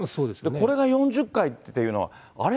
これが４０回っていうのは、あれ？